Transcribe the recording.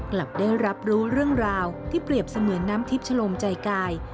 กลับได้รับรู้เรื่องราวที่เปรียบเสมือนน้ำทิพย์ชะลมใจกาย